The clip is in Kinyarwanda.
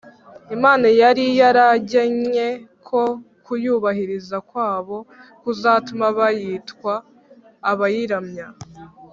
imana yari yaragennye ko kuyubahiriza kwabo kuzatuma bitwa abayiramya